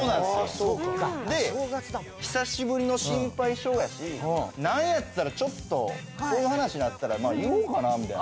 で久しぶりの『シンパイ賞！！』やしなんやったらちょっとそういう話になったら言おうかなみたいな。